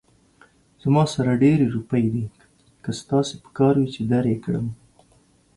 زما سره ډېرې روپۍ دي، که ستاسې پکار وي، چې در يې کړم